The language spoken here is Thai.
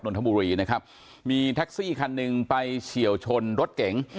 ทบุรีนะครับมีแท็กซี่คันหนึ่งไปเฉียวชนรถเก๋ง